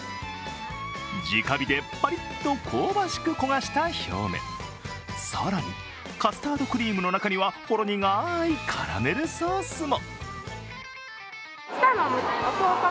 直火でパリッと香ばしく焦がした表面、更に、カスタードクリームの中にはほろ苦いカラメルソースも。